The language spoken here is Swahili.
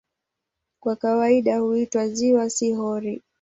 Kwa kawaida huitwa "ziwa", si "hori".